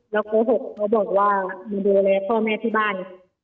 แล้วโกหกเขาบอกว่ามาดูแลพ่อแม่ที่บ้าน